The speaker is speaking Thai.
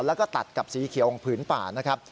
แล้วก็ตัดกับสีเขียวของผืนป่านะครับ